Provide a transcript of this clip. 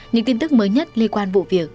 những tin tức mới nhất liên quan vụ việc